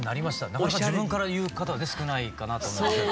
なかなか自分から言う方少ないかなと思いますけど。